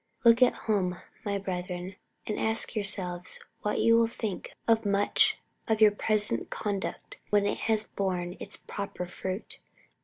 Look at home, my brethren, and ask yourselves what you will think of much of your present conduct when it has borne its proper fruit.